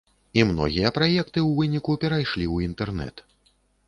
І многія праекты ў выніку перайшлі ў інтэрнэт.